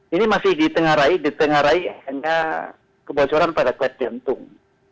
ini masih ditengarai ditengarai kebocoran pada klat jantung